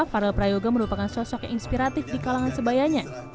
farel prayoga merupakan sosok yang inspiratif di kalangan sebayanya